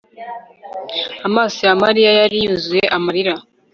Amaso ya Mariya yari yuzuye amarira